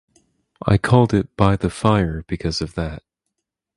I called it "By the Fire" because of that.